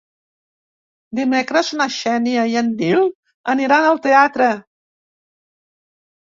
Dimecres na Xènia i en Nil aniran al teatre.